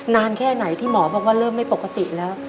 นานแค่ไหนที่หมอบอกว่าเริ่มไม่ปกติแล้ว